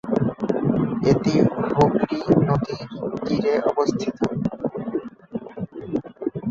এটি হুগলি নদীর তীরে অবস্থিত।